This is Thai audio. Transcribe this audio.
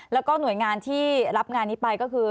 แล้วก็หน่วยงานที่รับงานนี้ไปก็คือ